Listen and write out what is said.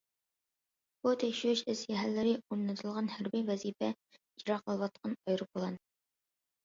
بۇ تەكشۈرۈش ئەسلىھەلىرى ئورنىتىلغان ھەربىي ۋەزىپە ئىجرا قىلىۋاتقان ئايروپىلان.